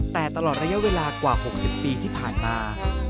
แต่ตลอดระยะเวลากว่า๖๐ปีที่ผ่านมา